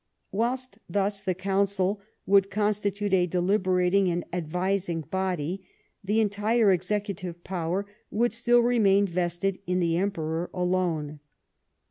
Whilst thus the Council would constitute a deliberating and advising body, the entire executive power would still remain vested in the Emperor alone.